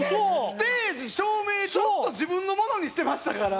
ステージ照明ずっと自分のものにしてましたから。